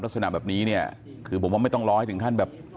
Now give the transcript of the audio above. ลักษณะแบบนี้เนี่ยคือผมว่าไม่ต้องรอให้ถึงขั้นแบบ